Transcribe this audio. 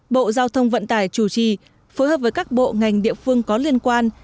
bộ giao thông vận tải chủ trì phối hợp với các bộ ngành địa phương có liên quan